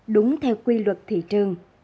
đúng theo quy luật thị trường